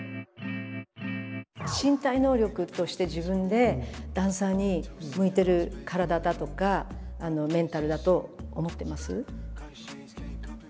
身体能力として自分でダンサーに向いてる体だとかメンタルだと思ってます？